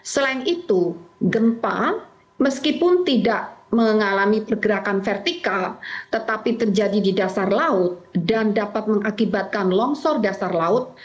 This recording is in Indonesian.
selain itu gempa meskipun tidak mengalami pergerakan vertikal tetapi terjadi di dasar laut dan dapat mengakibatkan longsor dasar laut